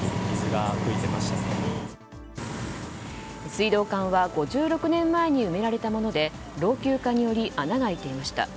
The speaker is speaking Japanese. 水道管は５６年前に埋められたもので老朽化により穴が開いていました。